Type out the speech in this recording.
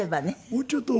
もうちょっと。